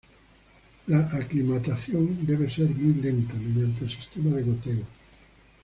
La aclimatación debe ser muy lenta mediante el sistema de goteo.